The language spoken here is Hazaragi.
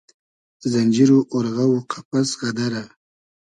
زئنجیر و اۉرغۂ و قئپئس غئدئرۂ